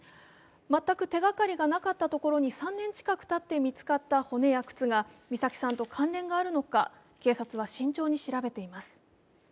全く手がかりがなかったところに３年近くたって見つかった骨や靴が美咲さんと関連があるのか、警察は慎重に調べています。